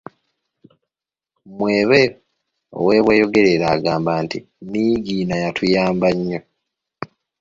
Mwebe ow’e Bweyogerere agamba nti, ‘‘Niigiina yatuyamba nnyo".